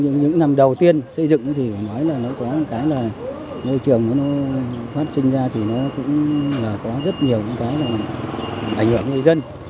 nhưng những năm đầu tiên xây dựng thì phải nói là nó có một cái là môi trường nó phát sinh ra thì nó cũng là có rất nhiều những cái là ảnh hưởng người dân